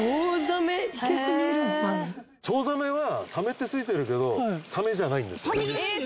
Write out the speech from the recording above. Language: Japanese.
チョウザメはサメってついてるけどサメじゃないんです